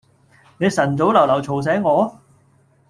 你晨早流流嘈醒我